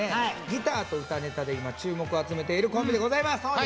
ギターと歌ネタで今注目を集めているコンビでございます。